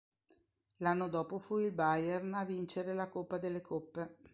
L'anno dopo fu il Bayern a vincere la Coppa delle Coppe.